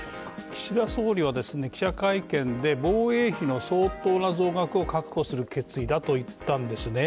岸田総理は記者会見で防衛費の相当な増額を確保する決意だと言ったんですね。